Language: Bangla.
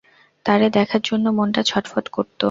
তারে দেখার জন্য মনটা ছটফট করত।